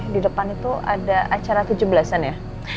di depan itu ada acara tujuh belas an ya